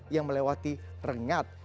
yang melewati renggat